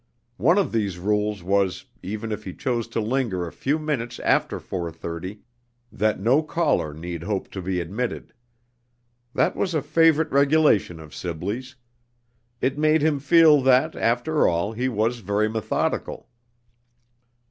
One of these rules was, even if he chose to linger a few minutes after four thirty, that no caller need hope to be admitted. That was a favorite regulation of Sibley's. It made him feel that, after all, he was very methodical.